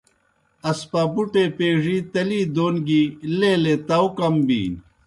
اسپابُٹے پیڙِی تلی دون گیْ لیلے تاؤ کم بِینیْ۔